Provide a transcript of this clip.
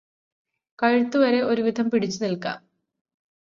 കഴുത്തുവരെ ഒരുവിധം പിടിച്ചു നില്ക്കാം